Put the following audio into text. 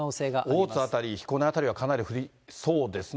大津辺り、彦根辺りはかなり降りそうですね。